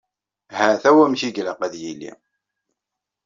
Hata wamek i ilaq ad yili.